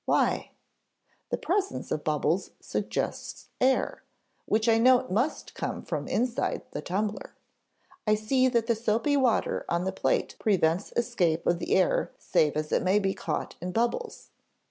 Why? The presence of bubbles suggests air, which I note must come from inside the tumbler. I see that the soapy water on the plate prevents escape of the air save as it may be caught in bubbles.